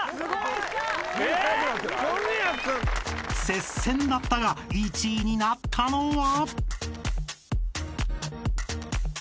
［接戦だったが１位になったのは］